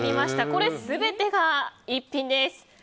これ全てが逸品です。